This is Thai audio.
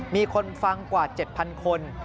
มีคนฟังกว่า๗๐๐คน